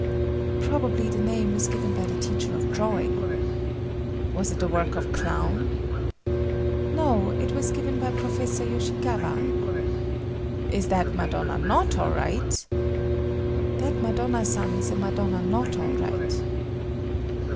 "Probably the name was given by the teacher of drawing." "Was it the work of Clown?" "No, it was given by Professor Yoshikawa." "Is that Madonna not all right?" "That Madonna san is a Madonna not all right."